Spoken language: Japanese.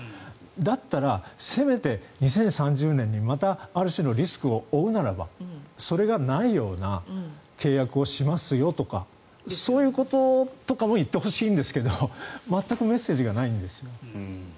だったら、せめて２０３０年にある種のリスクを負うならばそれがないような契約をしますよとかそういうことも言ってほしいんですけど全くメッセージがないんです。